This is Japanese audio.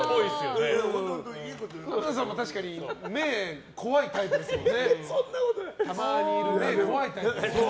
天野さんも確かに目が怖いタイプですもんね。